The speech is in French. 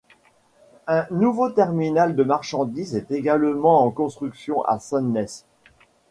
Un nouveau terminal de marchandise est également en construction à Sandnes.